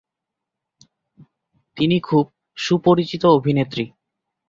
তিনি খুব সুপরিচিত অভিনেত্রী।